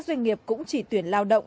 các doanh nghiệp cũng chỉ tuyển lao động